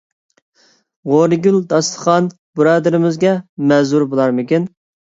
غورىگىل داستىخان بۇرادىرىمىزگە مەزۇر بولارمىكىن؟